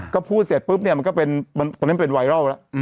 ก็พูดเสร็จปุ๊บเนี้ยมันก็เป็นเป็นไวรัลละ